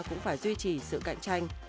cũng phải duy trì sự cạnh tranh